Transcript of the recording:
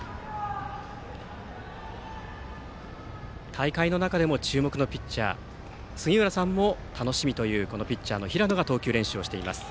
大会の中でも注目のピッチャー杉浦さんも楽しみというピッチャーの平野が投球練習をしています。